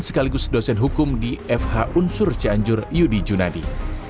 sekaligus dosen hukum di fh unsur cianjur yudi junadi